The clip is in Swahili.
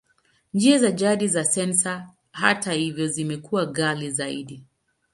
Njia za jadi za sensa, hata hivyo, zimekuwa ghali zaidi.